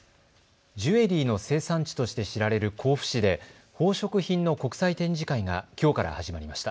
ジュエリーの生産地として知られる甲府市で、宝飾品の国際展示会がきょうから始まりました。